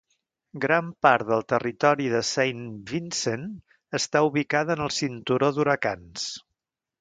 Gran part del territori de Saint Vincent està ubicada en el cinturó d'huracans.